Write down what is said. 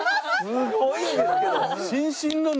すごいんですけど！